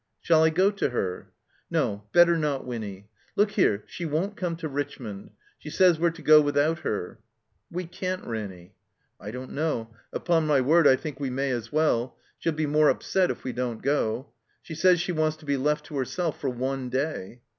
"Shall I go to her?" "No; better not, \^Qnny. Look here, she won't come to Richmond. She says we're to go without her." "We can't, Ranny." "I don't know. Upon my word, I think we may as well. She'U be more upset if we don't go. She says she wants to be left to herself for one day."